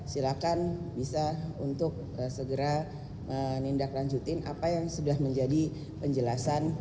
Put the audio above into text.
silakan bisa untuk segera menindaklanjutin apa yang sudah menjadi penjelasan